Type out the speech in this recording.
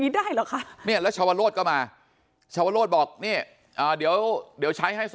ได้เหรอคะเนี่ยแล้วชาวโรธก็มาชาวโรธบอกเนี่ยเดี๋ยวใช้ให้